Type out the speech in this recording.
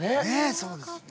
そうですよね。